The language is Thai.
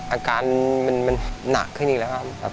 อาการมันหนักขึ้นอีกแล้วครับ